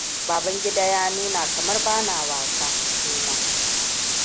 Babangida ya nuna kamar bana wasa, nima.